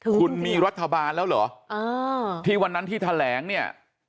คุณมีรัฐบาลแล้วเหรอที่วันนั้นที่แถลงเนี่ย